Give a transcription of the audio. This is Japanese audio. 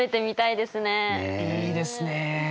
いいですねえ。